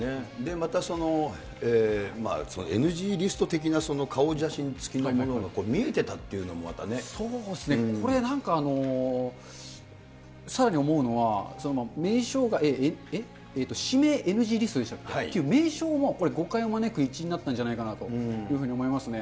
またそのＮＧリスト的な顔写真付きのものが見えていたというのも、そうですね、これ、なんか、さらに思うのは、名称が、指名ＮＧリストでしたっけ、っていう名称もこれ、誤解を招く一因になったんじゃないかと思いますね。